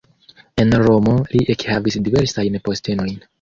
En Romo li ekhavis diversajn postenojn.